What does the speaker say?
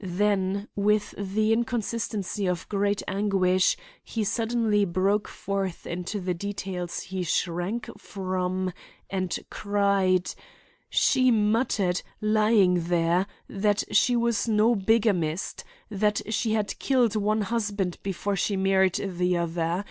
Then with the inconsistency of great anguish he suddenly broke forth into the details he shrank from and cried "She muttered, lying there, that she was no bigamist. That she had killed one husband before she married the other.